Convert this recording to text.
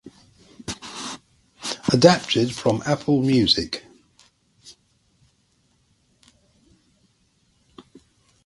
Adapted from Apple Music.